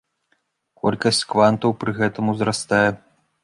Колькасць квантаў пры гэтым узрастае.